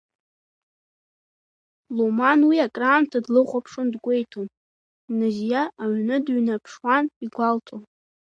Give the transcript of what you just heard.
Луман уи акраамҭа длыхәаԥшуан дгәеиҭон, назиа аҩны дыҩнаԥшуан, игәалҭон…